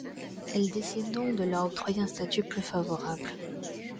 Elle décide donc de leur octroyer un statut plus favorable.